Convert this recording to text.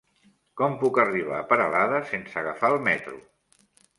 Com puc arribar a Peralada sense agafar el metro?